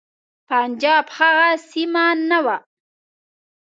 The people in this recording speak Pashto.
پنجاب هغه سیمه نه وه.